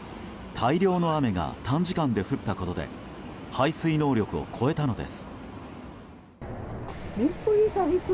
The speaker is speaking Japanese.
大量の雨が短時間で降ったことで排水能力を超えたのです。